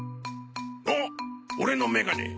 おっオレのメガネ。